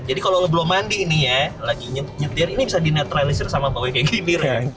jadi kalau lo belum mandi ini ya lagi nyetir ini bisa di neutralizer sama bawa kayak gini reng